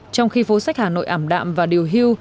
trong khi phố sách hà nội ảm đạm và điều hưu